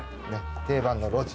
定番の路地。